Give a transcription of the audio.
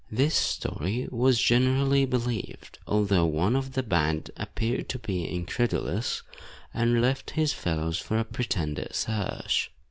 This story was generally believed, although one of the band appeared to be incredulous, and left his fellows for a pretended search.